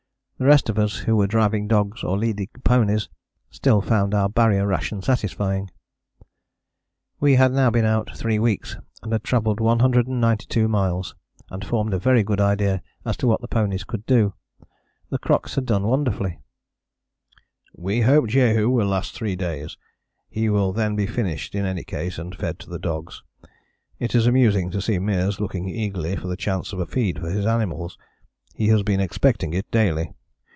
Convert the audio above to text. The rest of us who were driving dogs or leading ponies still found our Barrier ration satisfying. We had now been out three weeks and had travelled 192 miles, and formed a very good idea as to what the ponies could do. The crocks had done wonderfully: "We hope Jehu will last three days; he will then be finished in any case and fed to the dogs. It is amusing to see Meares looking eagerly for the chance of a feed for his animals; he has been expecting it daily.